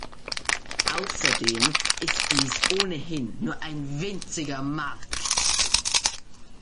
Außerdem ist dies ohnehin nur ein winziger Markt.